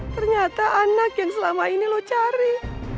ternyata anak yang selama ini lo cari